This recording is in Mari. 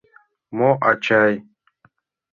Мо, ачай?